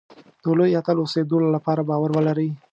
د لوی اتل اوسېدلو لپاره باور ولرئ.